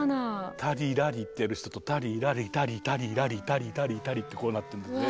「タリラリ」ってやる人と「タリラリタリタリラリタリタリタリ」ってこうなってんですね。